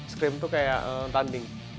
scrim tuh kayak tanding